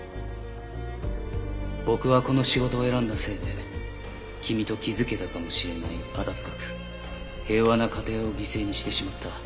「僕はこの仕事を選んだせいで君と築けたかもしれない温かく平和な家庭を犠牲にしてしまった」